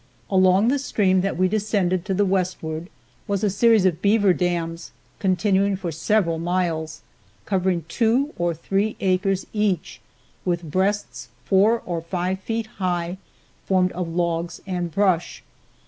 Along the stream that we descended to the westward, was a series of beaver dams continuing for several miles, covering two or three acres each, with breasts four or five feet high formed of logs and brush.